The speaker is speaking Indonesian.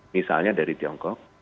misalnya dari tiongkok